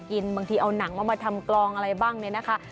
บางทีเอาหนังเอามาทำกลองอะไรบ้างเนี่ยนะคะ